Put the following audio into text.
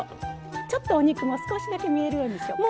ちょっとお肉も少しだけ見えるようにしようか。